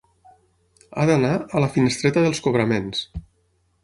Ha d'anar a la finestreta dels cobraments.